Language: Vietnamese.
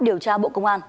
điều tra bộ công an